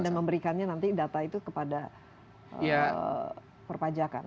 dan memberikannya nanti data itu kepada perpajakan